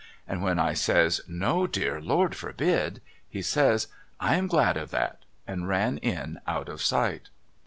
' and when I says ' No dear, Lord forbid !' he says ' I am glad of that !' and ran in out of sight.